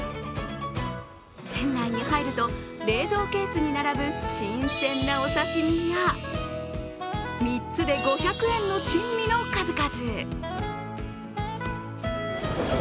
店内に入ると、冷蔵ケースに並ぶ新鮮なお刺身や、３つで５００円の珍味の数々。